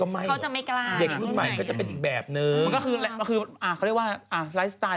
มันคือเค้าเรียกว่าไลฟ์สไตล์